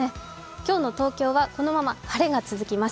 今日の東京は、このまま晴れが続きます。